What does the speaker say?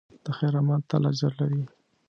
د خیر عمل تل اجر لري.